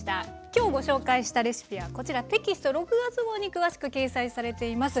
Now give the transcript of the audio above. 今日ご紹介したレシピはこちらテキスト６月号に詳しく掲載されています。